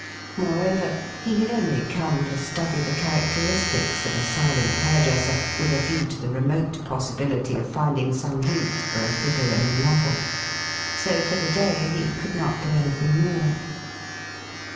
Moreover, he had only come to study the characteristics of a silent hairdresser with a view to the remote possibility of finding some hint for a figure in a novel. So for the day he could not do anything more.